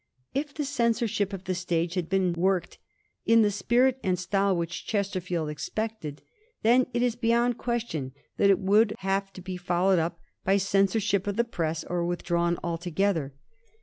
If the censorship of the stage had been worked in the spirit and style which Chesterfield expected, then it is beyond question that it would have to be followed up by a censorship of the press or withdrawn altogether.